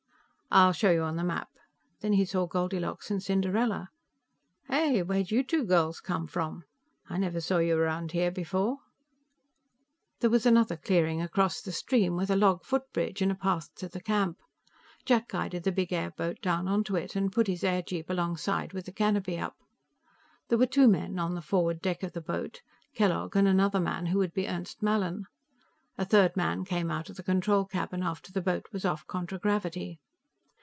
"I'll show you on the map." Then he saw Goldilocks and Cinderella. "Hey! Where'd you two girls come from? I never saw you around here before." There was another clearing across the stream, with a log footbridge and a path to the camp. Jack guided the big airboat down onto it, and put his airjeep alongside with the canopy up. There were two men on the forward deck of the boat, Kellogg and another man who would be Ernst Mallin. A third man came out of the control cabin after the boat was off contragravity.